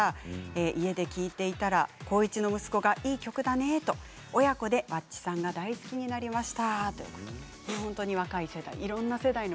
家で聴いていたら高１の息子はいい曲だねと親子でｗａｃｃｉさんが大好きになりました。